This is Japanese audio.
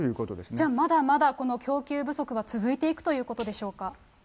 じゃあ、まだまだこの供給不足は続いていくということでしょうか。